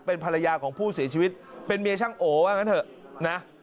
เป็นภรรยาของผู้เสียชีวิตเป็นเมียช่างโอว่างั้นเถอะนะ